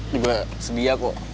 juga sedia kok